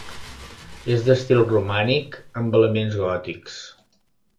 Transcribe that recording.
És d'estil romànic amb elements gòtics.